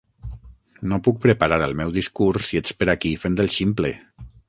No puc preparar el meu discurs si ets per aquí fent el ximple.